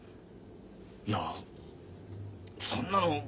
いやそんなの。